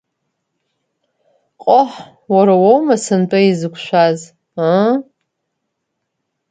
Ҟоҳ, уара уоума сынтәа изықәшәаз, ыы?